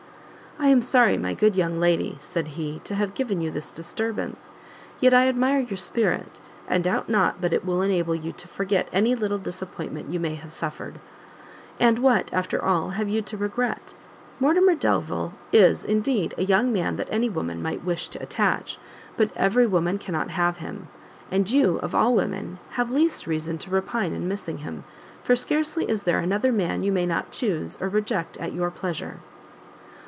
"I am sorry, my good young lady," said he, "to have given you this disturbance; yet I admire your spirit, and doubt not but it will enable you to forget any little disappointment you may have suffered. And what, after all, have you to regret? Mortimer Delvile is, indeed, a young man that any woman might wish to attach; but every woman cannot have him, and you, of all women, have least reason to repine in missing him, for scarcely is there another man you may not chuse or reject at your pleasure."